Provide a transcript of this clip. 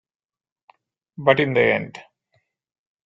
But in the end.